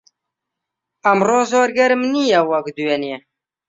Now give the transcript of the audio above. ئەمڕۆ زۆر گەرم نییە وەک دوێنێ.